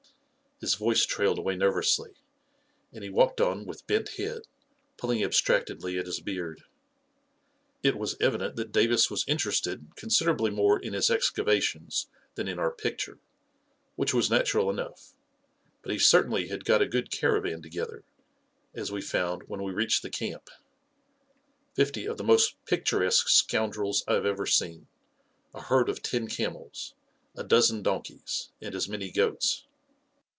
." His voice trailed away nervously, and he walked on with bent head, pulling abstractedly at his beard. A KING IN BABYLON 97 It was evident that Davis was interested consider ably more in his excavations than in our picture — which was natural enough I — but he certainly had got a good caravan together, as we found when we reached the camp — fifty of the most picturesque scoundrels I have ever seen, a herd of ten camels, a dozen donkeys, and as many goats.